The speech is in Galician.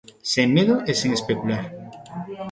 Sen medo e sen especular.